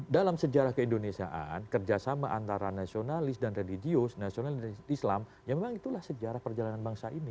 dalam sejarah keindonesiaan kerjasama antara nasionalis dan religius nasional dan islam ya memang itulah sejarah perjalanan bangsa ini